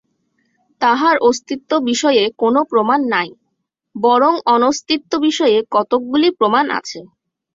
তাঁহার অস্তিত্ব-বিষয়ে কোন প্রমাণ নাই, বরং অনস্তিত্ব-বিষয়ে কতকগুলি প্রমাণ আছে।